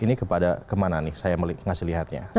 ini kepada kemana nih saya ngasih lihatnya